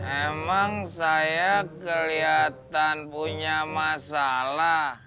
emang saya kelihatan punya masalah